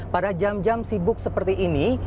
pada jam jam sibuk seperti ini